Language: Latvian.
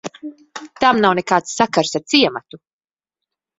Tam nav nekāds sakars ar ciematu.